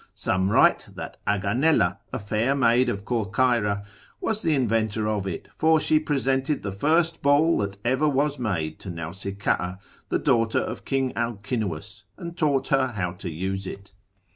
Some write, that Aganella, a fair maid of Corcyra, was the inventor of it, for she presented the first ball that ever was made to Nausica, the daughter of King Alcinous, and taught her how to use it.